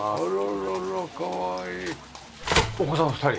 お子さん２人？